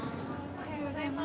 おはようございます